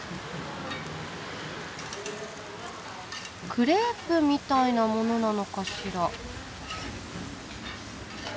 クレープみたいなものなのかしら？